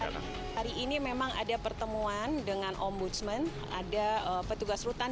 hari ini memang ada pertemuan dengan ombudsman ada petugas rutan